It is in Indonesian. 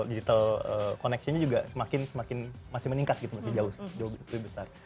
digital connectionnya juga semakin masih meningkat gitu masih jauh lebih besar